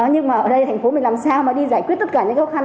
nhưng mà ở đây thành phố mình làm sao mà đi giải quyết tất cả những khó khăn